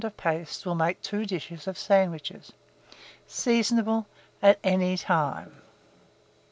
of paste will make 2 dishes of sandwiches. Seasonable at any time.